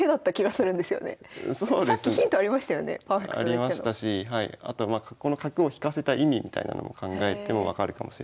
ありましたしはいあとまあこの角を引かせた意味みたいなのも考えても分かるかもしれないです。